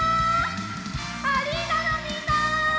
アリーナのみんな！